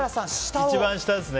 一番下ですね。